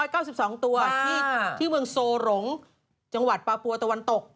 กะ๒๙๒ตัวที่เมืองโซหลงจังหวัดปาปัวตะวันตก